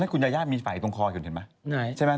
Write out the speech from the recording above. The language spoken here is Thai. อันนั้นคุณย่าย่ามีไฝตรงคอเห็นมั้ยใช่มั้ย